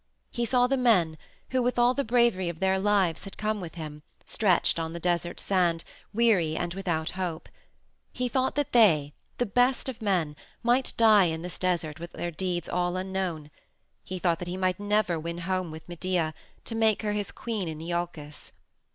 He saw the men who, with all the bravery of their lives, had come with him, stretched on the desert sand, weary and without hope. He thought that they, the best of men, might die in this desert with their deeds all unknown; he thought that he might never win home with Medea, to make her his queen in Iolcus.